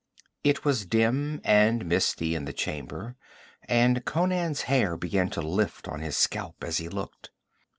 It was dim and misty in the chamber, and Conan's hair began to lift on his scalp as he looked.